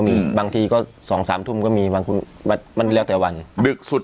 มีบางทีก็สองสามทุ่มก็มีบางคุณมันเรียกแต่วันดึกสุด